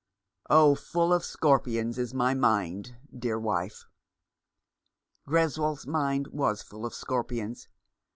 " Oh ! full of scorpions is my mind, dear wife !" Greswold's mind was full of scorpions.